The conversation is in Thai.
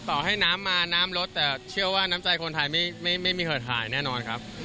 ต่อให้น้ำมาน้ำลดแต่เชื่อว่าน้ำใจคนไทยไม่มีเหิดหายแน่นอนครับ